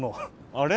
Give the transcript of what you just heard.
あれ？